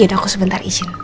ya udah aku sebentar izin